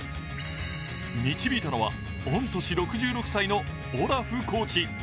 導いたのは御年６６歳のオラフコーチ。